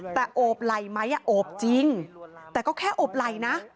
แต่โอบไหล่ไม้โอบจริงแต่ก็แค่โอบไหล่นะ